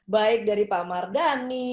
baik dari pak mardhani